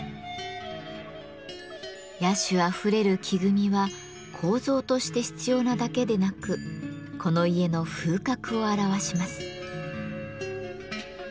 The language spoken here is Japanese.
野趣あふれる木組みは構造として必要なだけでなくこの家の風格を表します。